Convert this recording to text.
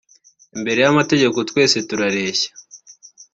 imbere y’amategeko twese turareshya